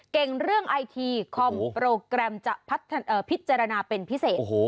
เก่งเรื่องไอทีคอมโปรแกรมจะพิจารณาเป็นพิเศษ